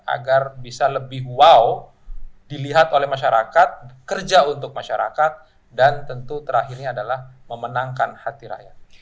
agar bisa lebih wow dilihat oleh masyarakat kerja untuk masyarakat dan tentu terakhirnya adalah memenangkan hati rakyat